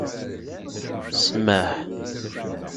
Smaḥ...